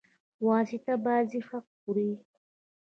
واسطه بازي حق خوري.